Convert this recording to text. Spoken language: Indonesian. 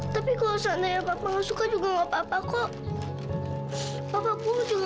tapi kalau seandainya papa tidak suka juga tidak apa apa kok